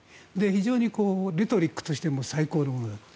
非常にレトリックとしても最高のものだった。